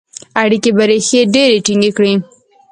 اړیکي به ریښې ډیري ټینګي کړي.